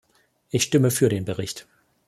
Ich stimme für den Bericht.